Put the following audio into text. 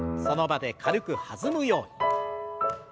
その場で軽く弾むように。